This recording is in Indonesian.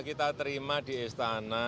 jadi sudah kita terima di istana